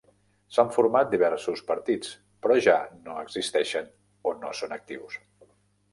S'han format diversos partits però ja no existeixen o no són actius.